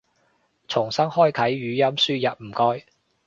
重新開啟語音輸入唔該